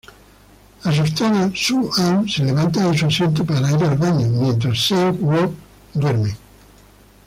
Asustada, Su-an se levanta de su asiento para ir al baño mientras Seok-woo duerme.